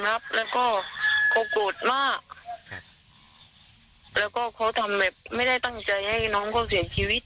และก็จะทำสิ่งที่ไม่ได้ไม่ได้ตั้งใจให้น้องจะเสียชีวิต